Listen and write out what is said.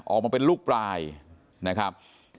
ออกมาเป็นลูกปลายนะครับ